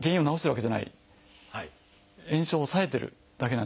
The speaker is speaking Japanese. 炎症を抑えてるだけなんです。